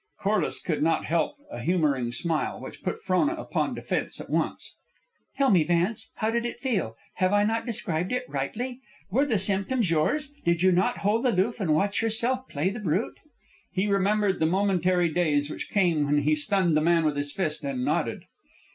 Corliss could not help a humoring smile, which put Frona upon defence at once. "Tell me, Vance, how did it feel? Have I not described it rightly? Were the symptoms yours? Did you not hold aloof and watch yourself play the brute?" He remembered the momentary daze which came when he stunned the man with his fist, and nodded.